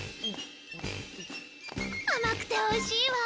甘くておいしいわ。